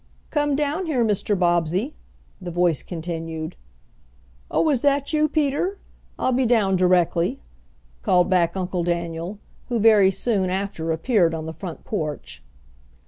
"Come down here, Mr. Bobbsey," the voice continued. "Oh, is that you, Peter? I'll be down directly," called back Uncle Daniel, who very soon after appeared on the front porch.